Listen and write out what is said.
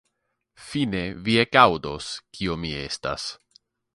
fine vi ekaŭdos, kio mi estas.